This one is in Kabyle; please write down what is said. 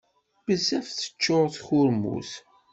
Bezzaf teččur tkurmut.